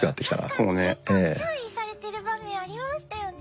確かに結構注意されてる場面ありましたよね。